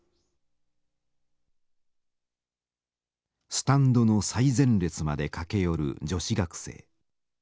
スタンドの最前列まで駆け寄る女子学生。